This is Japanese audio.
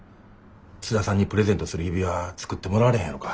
津田さんにプレゼントする指輪作ってもらわれへんやろか。